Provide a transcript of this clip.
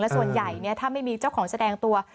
ส่วนใหญ่ถ้าไม่มีเจ้าของแสดงตัว